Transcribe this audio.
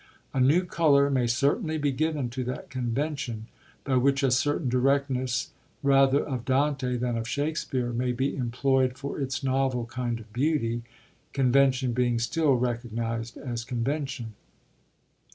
A new colour may certainly be given to that convention, by which a certain directness, rather of Dante than of Shakespeare, may be employed for its novel kind of beauty, convention being still recognised as convention.